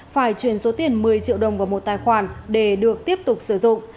phải chuyển số tiền một mươi triệu đồng vào một tài khoản để được tiếp tục sử dụng